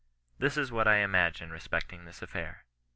This is what / imagine respecting this affair.